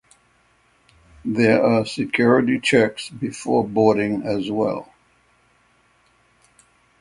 There are security checks before boarding as well.